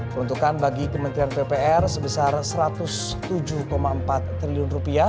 peruntukan bagi kementerian ppr sebesar rp satu ratus tujuh empat triliun